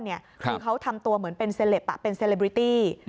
คือเขาทำตัวเหมือนเป็นเซลปเป็นเซเลบริตี้